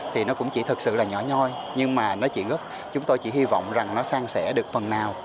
thì nó cũng chỉ thật sự là nhỏ nhoi nhưng mà chúng tôi chỉ hy vọng rằng nó sang sẻ được phần nào